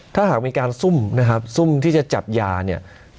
ถ้าหากมีการซุ่มนะครับซุ่มที่จะจับยาเนี่ย